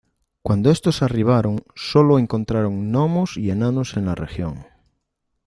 Cuando estos arribaron, sólo encontraron gnomos y enanos en la región.